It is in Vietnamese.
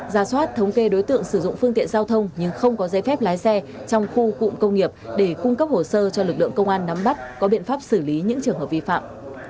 ra soát thống kê đối tượng sử dụng phương tiện giao thông nhưng không có giấy phép lái xe trong khu cụm công nghiệp để cung cấp hồ sơ cho lực lượng công an nắm bắt có biện pháp xử lý những trường hợp vi phạm